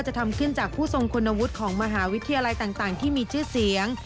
จะทำขึ้นจากผู้ทรงคุณวุฒิของมหาวิทยาลัยต่างที่มีชื่อเสียง